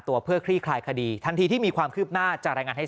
ตัวเพื่อคลี่คลายคดีทันทีที่มีความคืบหน้าจะรายงานให้